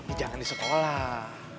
tapi jangan di sekolah